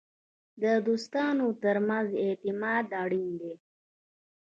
د دوستانو ترمنځ اعتماد اړین دی.